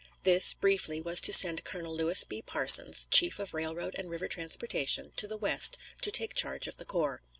This, briefly, was to send Colonel Lewis B. Parsons, chief of railroad and river transportation, to the West to take charge of the corps.